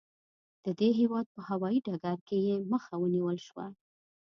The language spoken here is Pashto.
د دې هېواد په هوايي ډګر کې یې مخه ونیول شوه.